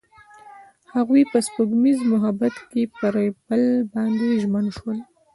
هغوی په سپوږمیز محبت کې پر بل باندې ژمن شول.